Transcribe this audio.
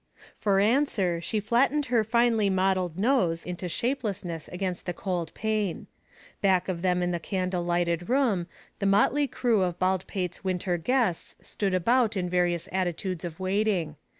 For answer, she flattened her finely modeled nose into shapelessness against the cold pane. Back of them in the candle lighted room, the motley crew of Baldpate's winter guests stood about in various attitudes of waiting.